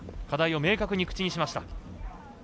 課題を明確に口にしました。